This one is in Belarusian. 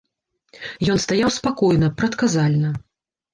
Ён стаяў спакойна, прадказальна.